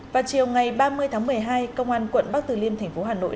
và chiều ngày ba mươi tháng một mươi hai công an quận bắc từ liêm tp hà nội